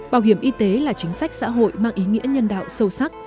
bảo hiểm y tế là chính sách xã hội mang ý nghĩa nhân đạo sâu sắc